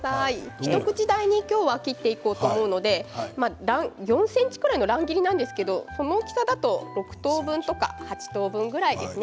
一口大に切っていこうと思うので、４ｃｍくらいの乱切りなんですけどこの大きさだと６等分とか、８等分ぐらいですね。